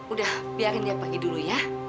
udah biarin dia pergi dulu ya